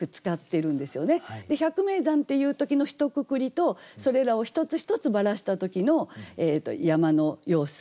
「百名山」っていう時のひとくくりとそれらを一つ一つばらした時の山の様子。